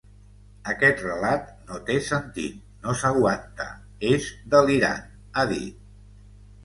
Aquest relat no té sentit, no s’aguanta, és delirant, ha dit.